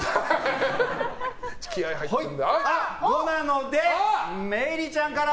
５なので萌衣里ちゃんから。